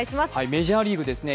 メジャーリーグですね。